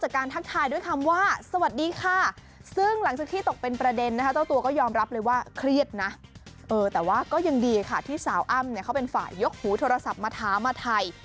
คือแอมเขาเป็นฝ่ายยกหูโทรศัพท์มาถามมาไทย